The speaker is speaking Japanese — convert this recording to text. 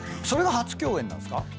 それが初共演なんですか？